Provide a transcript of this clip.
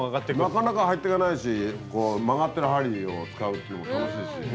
なかなか入ってかないしこう曲がってる針を使うっていうのも楽しいし。